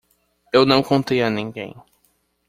Eu não contei a ninguém.